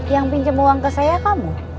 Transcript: yang pinjam uang ke saya kamu